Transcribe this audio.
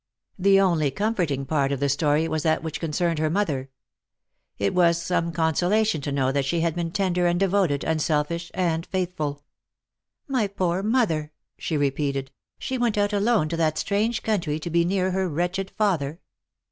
The only comforting part of the story was that which concerned her mother. It was some consolation to know that she had been tender and devoted, unselfish and faithful. " My poor mother !" she repeated ;" she went out alone to that strange country to be near her wretched father?"